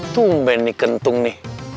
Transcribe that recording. tungguin nih kentung nih